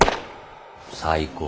最高。